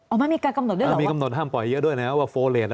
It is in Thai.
ไม่มีการกำหนดด้วยเหรอมีกำหนดห้ามปล่อยเยอะด้วยนะว่าโฟเลส